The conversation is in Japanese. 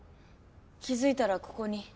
気づいたらここに。